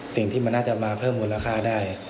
สิ่งที่มันน่าจะมาเพิ่มมูลค่าได้